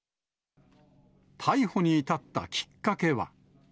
逮捕に至ったきっかけは。